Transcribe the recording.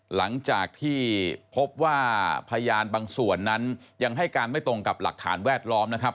หลังจากที่พบว่าพยานบางส่วนนั้นยังให้การไม่ตรงกับหลักฐานแวดล้อมนะครับ